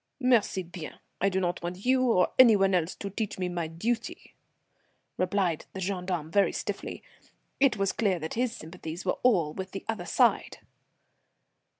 "Merci bien! I do not want you or any one else to teach me my duty," replied the gendarme, very stiffly. It was clear that his sympathies were all with the other side.